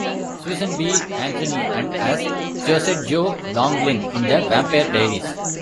"Susan B. Anthony", and as Josette "Jo" Laughlin in "The Vampire Diaries".